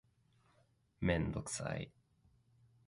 めんどくさい